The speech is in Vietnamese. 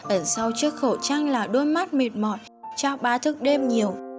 ẩn sau chiếc khẩu trang là đôi mắt mệt mỏi trao ba thức đêm nhiều